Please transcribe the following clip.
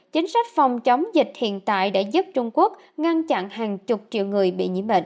chính sách phòng chống dịch hiện tại đã giúp trung quốc ngăn chặn hàng chục triệu người bị nhiễm bệnh